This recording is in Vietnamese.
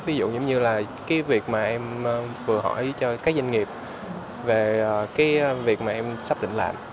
ví dụ như việc em vừa hỏi cho các doanh nghiệp về việc em sắp định làm